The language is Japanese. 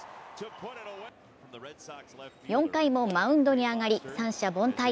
４回もマウンドに上がり三者凡退。